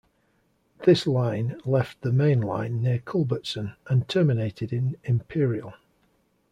This line left the main line near Culbertson and terminated in Imperial.